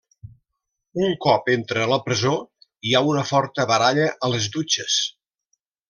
Un cop entra a la presó, hi ha una forta baralla a les dutxes.